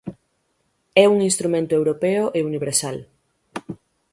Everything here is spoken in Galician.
É un instrumento europeo e universal.